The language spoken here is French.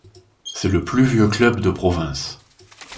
C’est le plus vieux club de province.